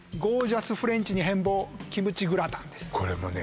これもね